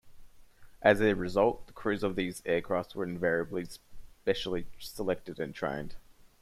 As a result, the crews of these aircraft were invariably specially selected and trained.